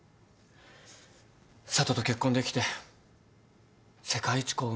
佐都と結婚できて世界一幸運だなって。